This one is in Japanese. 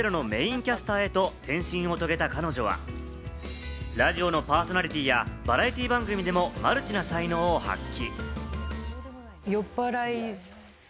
元ＮＨＫの看板アナウンサーから、『ｎｅｗｓｚｅｒｏ』のメインキャスターへと転身を遂げた彼女はラジオのパーソナリティーやバラエティー番組でもマルチな才能を発揮。